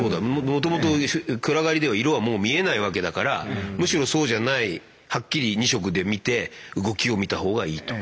もともと暗がりでは色はもう見えないわけだからむしろそうじゃないはっきり２色で見て動きを見た方がいいと。